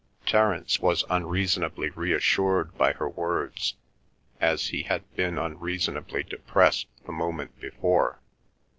Terence was unreasonably reassured by her words, as he had been unreasonably depressed the moment before.